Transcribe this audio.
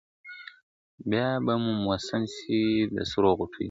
بیا به موسم سي د سروغوټیو ..